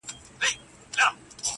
او د مقاومت توان له لاسه ورکوي